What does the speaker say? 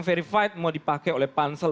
verified mau dipakai oleh pansel